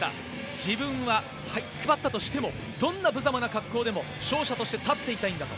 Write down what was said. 自分は這いつくばったとしてもどんな無様な格好でも勝者として立っていたいんだと。